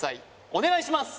お願いします